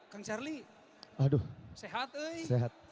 kang charlie sehat